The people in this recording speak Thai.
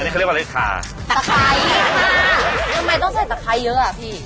อันนี้เขาเรียกว่าเล็กคาตะไคร่ค่ะทำไมต้องใส่ตะไคร่เยอะอ่ะพี่